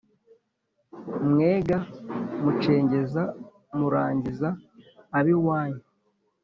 mwe ga mucengeza murangiza ab’i wanyu;